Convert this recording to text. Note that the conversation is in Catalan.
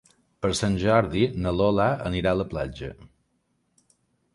Per Sant Jordi na Lola anirà a la platja.